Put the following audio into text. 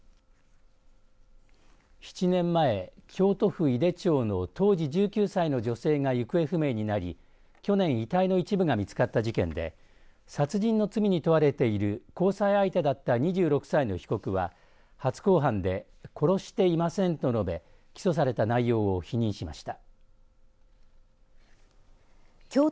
７年前、京都府井手町の当時１９歳の女性が行方不明になり去年遺体の一部が見つかった事件で殺人の罪に問われている交際相手だった２６歳の被告は初公判で殺していませんと述べ起訴された内容を否認しました。